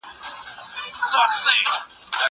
زه کولای سم اوبه پاک کړم!